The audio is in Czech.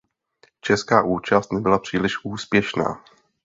Česká účast nebyla příliš úspěšná.